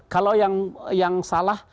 kalau yang salah